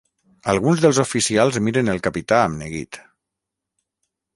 Alguns dels oficials miren el capità amb neguit.